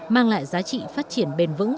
mang lại giá trị phát triển bền vững